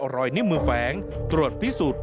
รอยนิ้วมือแฝงตรวจพิสูจน์